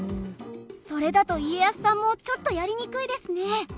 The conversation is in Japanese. それだと家康さんもちょっとやりにくいですね。